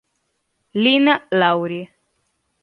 Lynn Lowry